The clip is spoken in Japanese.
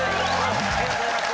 ありがとうございます。